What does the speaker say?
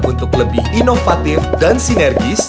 untuk lebih inovatif dan sinergis